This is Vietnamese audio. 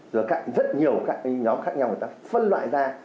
rồi rất nhiều các cái nhóm khác nhau người ta phân loại ra